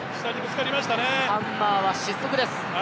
ハンマーは失速です。